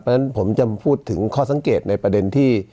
เพราะฉะนั้นผมจะพูดถึงข้อสังเกตในประเด็นที่